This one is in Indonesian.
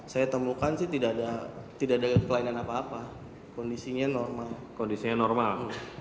saya temukan sih tidak ada kelainan apa apa kondisinya normal kondisinya normal